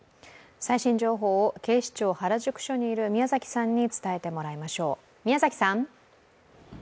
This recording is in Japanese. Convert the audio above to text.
最新情報を警視庁原宿署にいる宮嵜さんに伝えてもらいましょう。